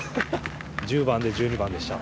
１０番で１２番でした。